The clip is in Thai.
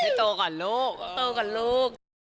ให้โตก่อนลูก